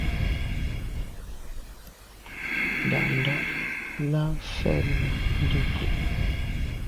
Ndà’ndà’ lα mfɛ̂l ὰm Ndʉ̂kə.